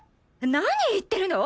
何言ってるの？